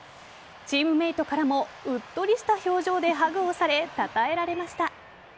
チームメートからもうっとりした表情でハグをされたたえられました。